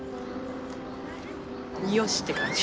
「よし！」って感じ。